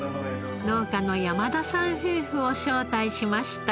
農家の山田さん夫婦を招待しました。